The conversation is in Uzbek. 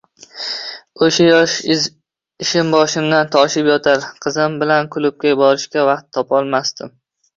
O`sha yoz ishim boshimdan toshib yotar, qizim bilan klubga borishga vaqt topolmasdim